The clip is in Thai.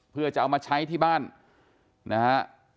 เพื่อจะเอามาใช้ที่บ้านนะฮะ